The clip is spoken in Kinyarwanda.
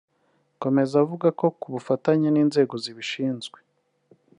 Akomeza avuga ko ku bufatanye n’inzego zibishinzwe